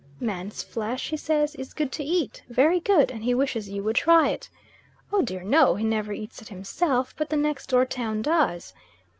Man's flesh, he says, is good to eat, very good, and he wishes you would try it. Oh dear no, he never eats it himself, but the next door town does.